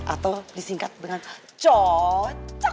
atau disingkat dengan cocok